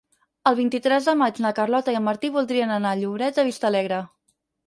El vint-i-tres de maig na Carlota i en Martí voldrien anar a Lloret de Vistalegre.